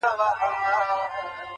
د ژوند دوران ته دي کتلي گراني _